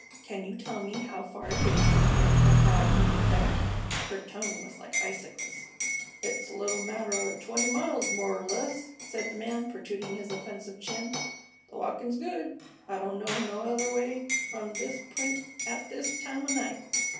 Can you tell me how far it is from here and how I can get there?" Her tone was like icicles. "It's a little matter o' twenty miles, more 'r less," said the man protruding his offensive chin. "The walkin's good. I don't know no other way from this p'int at this time o' night.